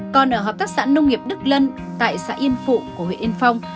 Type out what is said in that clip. còn ở hợp tác xã nông nghiệp đức lân tại xã yên phụ của huyện yên phong